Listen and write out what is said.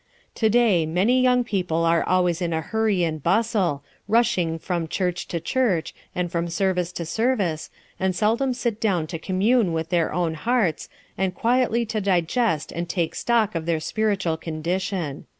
To day many young people are always in a hurry and bustle, rushing from church to church, and from service to service, and seldom sit down to commune with their own hearts, and quietly to digest and take stock of their spiritual condition.